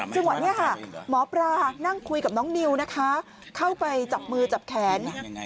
จังหวะนี้ค่ะหมอปลานั่งคุยกับน้องนิวนะคะเข้าไปจับมือจับแขน